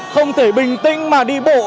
không thể bình tĩnh mà đi bộ